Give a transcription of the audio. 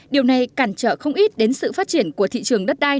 điều này cản trở không ít đến sự phát triển của thị trường đất đai